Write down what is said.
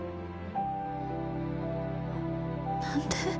何で？